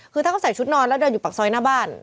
คือถ้าเขาใส่ชุดนอนแล้วเดินอยู่ปากซอยหน้าบ้าน